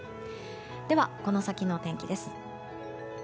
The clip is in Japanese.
では、この先の天気です。